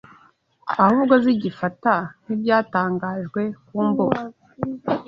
ahubwo zigifata nk’ibyatangajwe ku mbuga